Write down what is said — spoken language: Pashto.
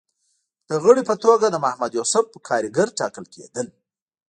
د غړي په توګه د محمد یوسف کارګر ټاکل کېدل